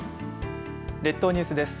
列島ニュースです。